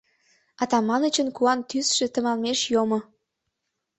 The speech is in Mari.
Атаманычын куан тӱсшӧ тыманмеш йомо.